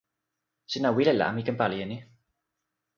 sina wile la mi ken pali e ni.